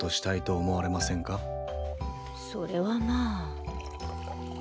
それはまあ。